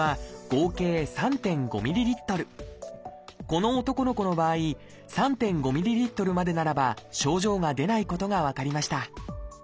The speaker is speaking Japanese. この男の子の場合３．５ｍＬまでならば症状が出ないことが分かりました。